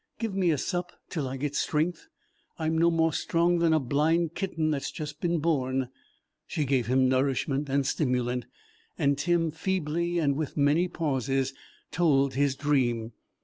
Give me a sup till I get strength. I'm no more strong than a blind kitten that's just born." She gave him nourishment and stimulant, and Tim feebly and with many pauses told his dream.